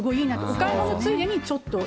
お買い物ついでにちょっと。